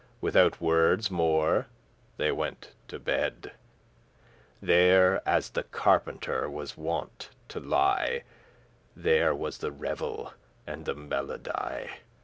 Withoute wordes more they went to bed, *There as* the carpenter was wont to lie: *where* There was the revel, and the melody.